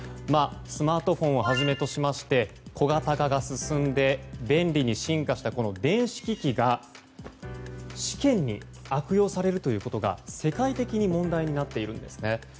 スマートフォンをはじめとしまして小型化が進んで便利に進化した電子機器が試験に悪用されるということが世界的に問題になっているんですね。